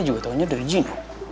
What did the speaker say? juga taunya dari jin